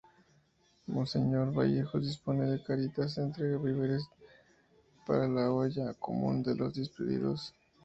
Monseñor Vallejos dispone que Caritas entregue víveres para la olla común de los despedidos.